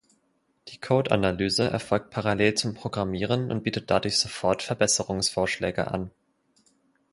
Die Code-Analyse erfolgt parallel zum Programmieren und bietet dadurch sofort Verbesserungsvorschläge an.